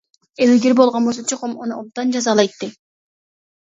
ئىلگىرى بولغان بولسا چوقۇم ئۇنى ئوبدان جازالايتتى.